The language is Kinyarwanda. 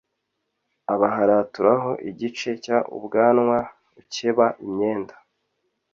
abaharaturaho igice cy ubwanwa akeba imyenda